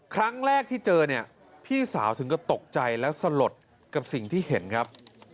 ครั้งแรกที่เจอเนี่ยพี่สาวถึงก็ตกใจและสลดกับสิ่งที่เห็นครับ